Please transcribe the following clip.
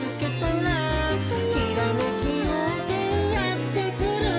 「ひらめきようせいやってくる」